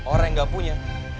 orang yang gak punya